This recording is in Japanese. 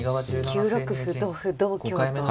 ９六歩同歩同香と。